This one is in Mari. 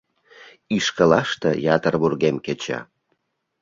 Ишкылаште ятыр вургем кеча.